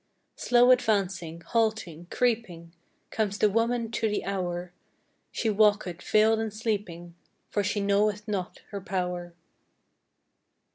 Slow advancing, halting, creeping, Comes the Woman to the hour! She walketh veiled and sleeping, For she knoweth not her power.